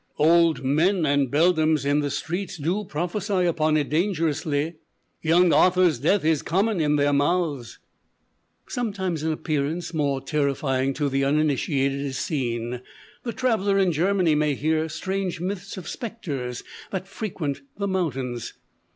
_ "Old men and beldams in the streets Do prophecy upon it dangerously; Young Arthur's death is common in their mouths." Sometimes an appearance more terrifying to the uninitiated is seen. The traveler in Germany may hear strange myths of specters that frequent the mountains.